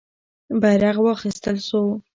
بیرغ واخیستل سو.